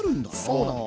そうなの。